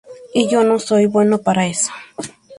Y yo no soy bueno para eso.